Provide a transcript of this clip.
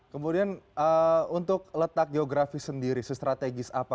kemudian untuk letak geografi sendiri sesrategis apa